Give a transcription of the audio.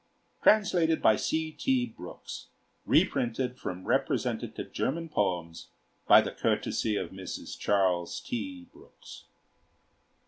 Translated by C. T. Brooks: Reprinted from 'Representative German Poems' by the courtesy of Mrs. Charles T. Brooks.